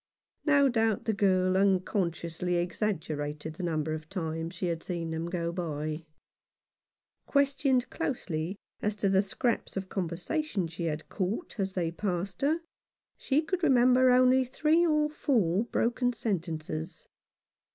No doubt the girl unconsciously exaggerated the number of times she had seen them go by. Questioned closely as to the scraps of con versation she had caught as they passed her, she could remember only three or four broken sentences.